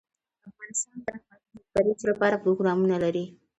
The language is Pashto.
افغانستان د ښارونه د ترویج لپاره پروګرامونه لري.